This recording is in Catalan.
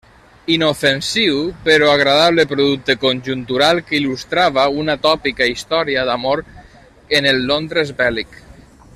Inofensiu però agradable producte conjuntural que il·lustrava una tòpica història d'amor en el Londres bèl·lic.